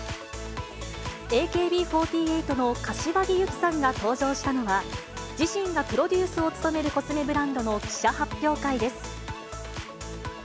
ＡＫＢ４８の柏木由紀さんが登場したのは、自身がプロデュースを務めるコスメブランドの記者発表会です。